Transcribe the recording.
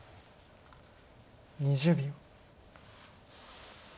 ２０秒。